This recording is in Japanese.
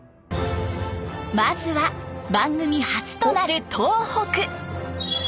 まずは番組初となる東北。